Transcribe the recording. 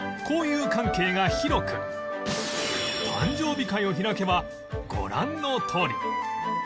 交友関係が広く誕生日会を開けばご覧のとおり